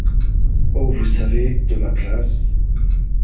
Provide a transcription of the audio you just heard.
Oh ! vous savez, de ma place…